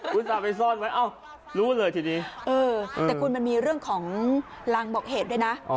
คุณตาไปซ่อนไว้เอ้ารู้เลยทีนี้เออแต่คุณมันมีเรื่องของลางบอกเหตุด้วยนะ